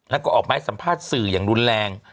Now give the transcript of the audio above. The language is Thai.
แล้วก็ออกมาให้สัมภาษณ์สื่ออย่างรุนแรง